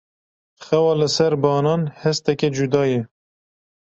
Xewa li ser banan hesteke cuda ye.